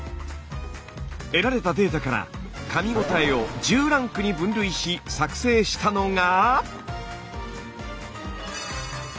得られたデータからかみごたえを１０ランクに分類し作成したのが。